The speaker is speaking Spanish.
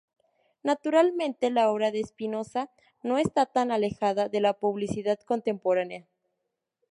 Naturalmente, la obra de Espinosa no está tan alejada de la publicidad contemporánea.